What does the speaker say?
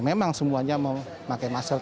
memang semuanya memakai masyarakat